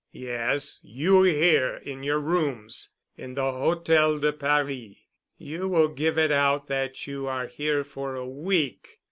"Yes—you—here in your rooms in the Hôtel de Paris. You will give it out that you are here for a week.